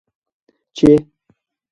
چې: